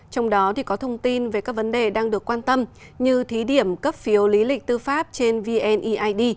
trong đó có thông tin về các vấn đề đang được quan tâm như thí điểm cấp phiếu lý lịch tư pháp trên vneid